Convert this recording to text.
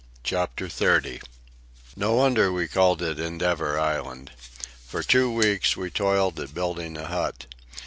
CHAPTER XXX No wonder we called it Endeavour Island. For two weeks we toiled at building a hut.